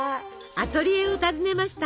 アトリエを訪ねました。